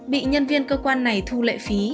bị nhân viên cơ quan này thu lệ phí